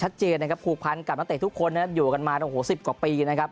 ชัดเจนผูกพันกับนักเต็มทุกคนอยู่กันมาโถงสิบกว่าปีนะครับ